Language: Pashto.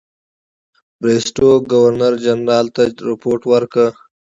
بریسټو ګورنرجنرال ته رپوټ ورکړ.